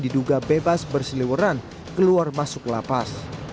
diduga bebas berseliweran keluar masuk lapas